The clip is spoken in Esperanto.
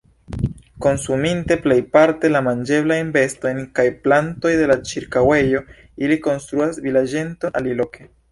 Konsuminte plejparte la manĝeblajn bestojn kaj plantojn de la ĉirkaŭejo, ili konstruas vilaĝeton aliloke.